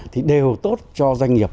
thì đều tốt cho doanh nghiệp